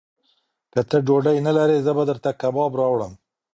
که ته ډوډۍ نه لرې، زه به درته کباب راوړم.